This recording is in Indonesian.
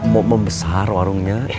mau membesar warungnya